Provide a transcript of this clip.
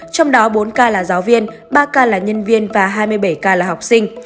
trong đó bốn k là giáo viên ba k là nhân viên và hai mươi bảy k là học sinh